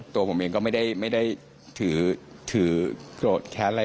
ตัวผมเองก็ไม่ได้ถือโกรธแค้นอะไร